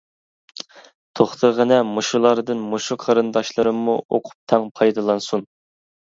توختىغىنە مۇشۇلاردىن مۇشۇ قېرىنداشلىرىممۇ ئوقۇپ تەڭ پايدىلانسۇن.